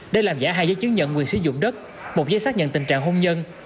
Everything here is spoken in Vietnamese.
để làm giả hai giấy chứng nhận quyền sử dụng đất một giấy xác nhận tình trạng hôn nhân